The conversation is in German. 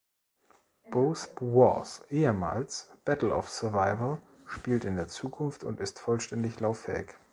Bos Wars, ehemals Battle of Survival, spielt in der Zukunft und ist vollständig lauffähig.